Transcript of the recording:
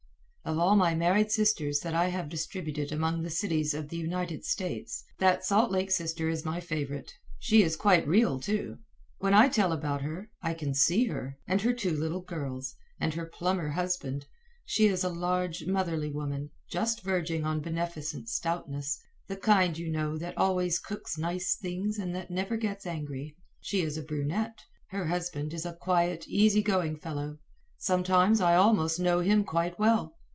Of all my married sisters that I have distributed among the cities of the United States, that Salt Lake sister is my favorite. She is quite real, too. When I tell about her, I can see her, and her two little girls, and her plumber husband. She is a large, motherly woman, just verging on beneficent stoutness the kind, you know, that always cooks nice things and that never gets angry. She is a brunette. Her husband is a quiet, easy going fellow. Sometimes I almost know him quite well.